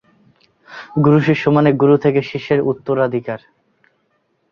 গুরু-শিষ্য মানে "গুরু থেকে শিষ্যের উত্তরাধিকার"।